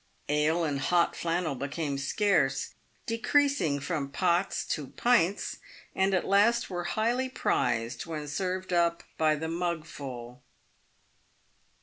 Ale and " hot flannel" became scarce, decreasing from pots to pints, and at last were highly prized when served up by the mugful.